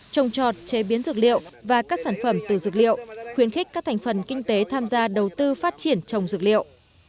trồng trọt chế biến dược liệu và các sản phẩm từ dược liệu khuyến khích các thành phần kinh tế tham gia đầu tư phát triển trồng dược liệu